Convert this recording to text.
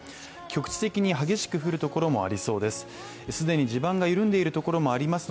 局地的に激しく降るところもありそうです。